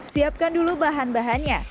siapkan dulu bahan bahannya